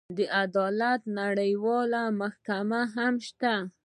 د عدالت نړیواله محکمه هم شته.